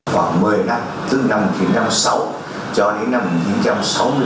khoảng một mươi năm từ năm một nghìn chín trăm năm mươi sáu cho đến năm một nghìn chín trăm sáu mươi bảy